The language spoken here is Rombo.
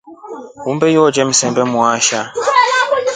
Umbe itre msembe waasha.